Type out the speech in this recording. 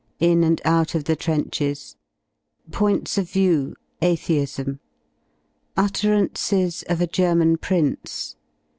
§In and out of the trenches. § Points of view: atheism. § Utterances of a Ger man prince.